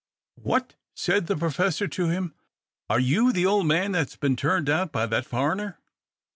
"What!" said the Professor to him, "are you the old man that has been turned out by that foreigner?"